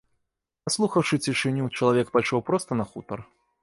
Паслухаўшы цішыню, чалавек пайшоў проста на хутар.